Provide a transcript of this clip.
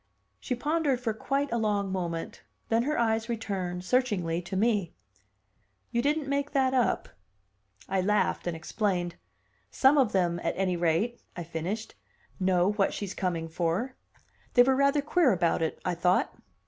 She pondered for quite a long moment; then her eyes returned, searchingly, to me. "You didn't make that up?" I laughed, and explained. "Some of them, at any rate," I finished, "know what she's coming for. They were rather queer about it, I thought."